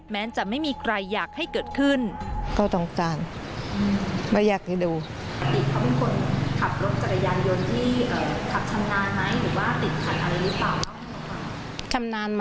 จะไม่มีใครอยากให้เกิดขึ้น